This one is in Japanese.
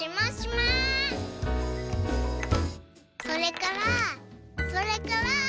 それからそれから。